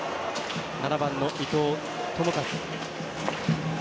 ７番の伊藤智一。